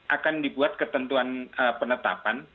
akan dibuat ketentuan penetapan